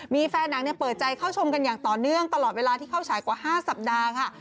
มีแฟนหนังเปิดใจเข้าชมกันอย่างต่อเนื่องตลอดเวลาที่เข้าฉายกว่า๕สัปดาห์ค่ะ